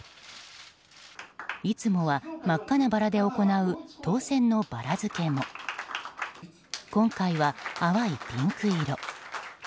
いつもは真っ赤なバラで行う当選のバラ付けも今回は淡いピンク色。